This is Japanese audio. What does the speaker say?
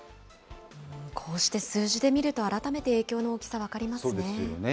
こうして数字で見ると、改めて影響の大きさ、分かりますよね。